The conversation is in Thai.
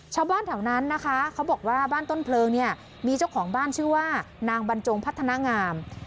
ชาวบ้านแถวนั้นนะคะเขาบอกว่าบ้านต้นเพลิงเนี่ยมีเจ้าของบ้านชื่อว่านางบรรจงพัฒนางาม